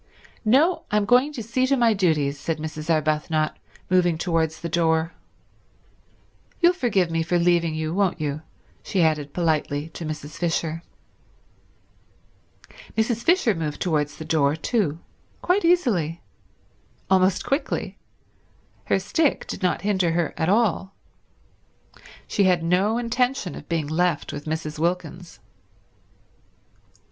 "No, I'm going to see to my duties," said Mrs. Arbuthnot, moving towards the door. "You'll forgive me for leaving you, won't you," she added politely to Mrs. Fisher. Mrs. Fisher moved towards the door too; quite easily; almost quickly; her stick did not hinder her at all. She had no intention of being left with Mrs. Wilkins.